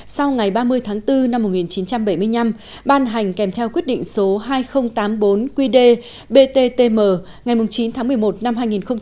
sau ngày ba mươi tháng bốn năm một nghìn chín trăm bảy mươi năm ban hành kèm theo quyết định số hai nghìn tám mươi bốn qd bttm ngày chín tháng một mươi một năm hai nghìn một mươi ba